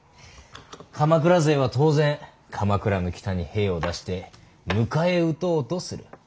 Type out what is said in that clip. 鎌倉勢は当然鎌倉の北に兵を出して迎え撃とうとする。